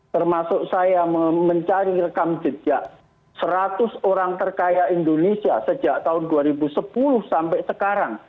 termasuk saya mencari rekam jejak seratus orang terkaya indonesia sejak tahun dua ribu sepuluh sampai sekarang